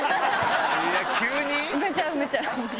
急に？